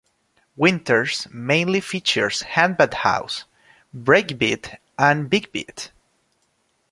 Winters mainly features handbag house, breakbeat and big beat.